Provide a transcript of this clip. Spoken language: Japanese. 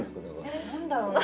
何だろうね。